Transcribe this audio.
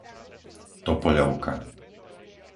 Topoľovka